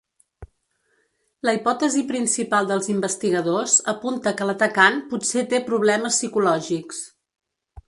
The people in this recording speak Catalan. La hipòtesi principal dels investigadors apunta que l’atacant potser té problemes psicològics.